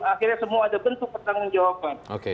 akhirnya semua ada bentuk pertanggung jawaban